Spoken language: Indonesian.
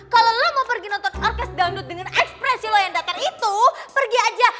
kalau lama pergi nonton orkes dangdut dengan ekspresi lo yang datang itu pergi aja